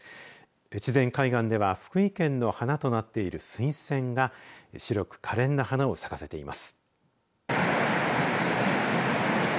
越前海岸では福井県の花となっている水仙が白くかれんな花を咲かせています。